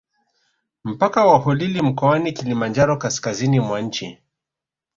Mpaka wa Holili mkoani Kilimanjaro kaskazizini mwa nchi